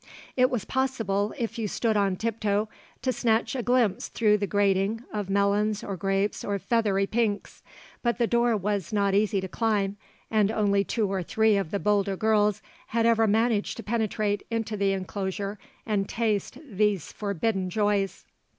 It was possible, if you stood on tiptoe, to snatch a glimpse through the grating of melons or grapes or feathery pinks, but the door was not easy to climb, and only two or three of the bolder girls had ever managed to penetrate into the enclosure and taste these forbidden joys.